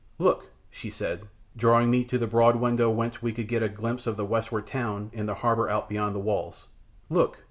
Look!" she said, drawing me to the broad window whence we could get a glimpse of the westward town and the harbour out beyond the walls. "Look!